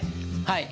はい。